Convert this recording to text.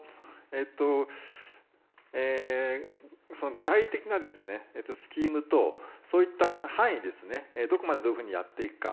具体的なスキームとそういった範囲どこまでどういうふうにやっていくか